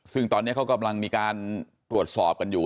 ซึ่งตอนนี้เขากำลังมีการตรวจสอบกันอยู่